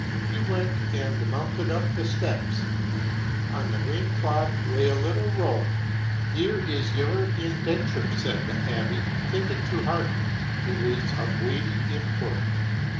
He went, and mounted up the steps. On the green cloth lay a little roll. " Here is your indenture," said the abbe :" take it to heart; it is of weighty import."